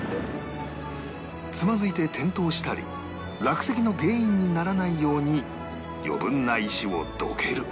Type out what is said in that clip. つまずいて転倒したり落石の原因にならないように余分な石をどける